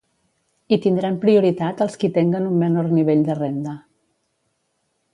Hi tindran prioritat els qui tinguen un menor nivell de renda.